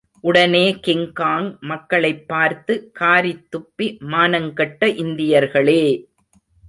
உடனே கிங்காங் மக்களைப் பார்த்து காரித்துப்பி, மானங்கெட்ட இந்தியர்களே!